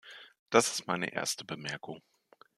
Das ist meine erste Bemerkung.